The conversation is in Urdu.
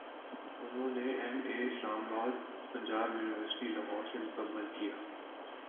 انہوں نے ایم اے اسلامیات پنجاب یونیورسٹی لاہور سے مکمل کیا